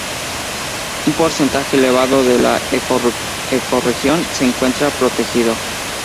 Un porcentaje elevado de la ecorregión se encuentra protegido.